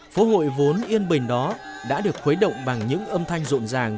phố hội vốn yên bình đó đã được khuấy động bằng những âm thanh rộn ràng